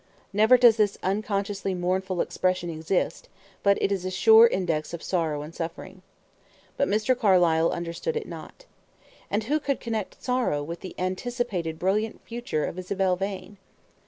Never does this unconsciously mournful expression exist, but it is a sure index of sorrow and suffering; but Mr. Carlyle understood it not. And who could connect sorrow with the anticipated brilliant future of Isabel Vane?